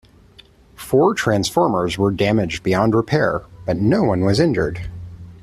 Four transformers were damaged beyond repair, but no one was injured.